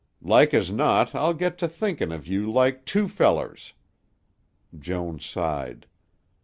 Like as not I'll get to thinkin' of you like two fellers." Joan sighed.